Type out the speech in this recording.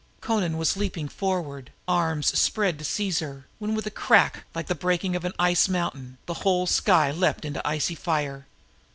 Amra was leaping forward, arms spread to seize her, when with a crack like the breaking of an ice mountain, the whole skies leaped into icy fire.